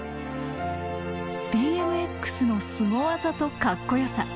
ＢＭＸのスゴ技とカッコよさ。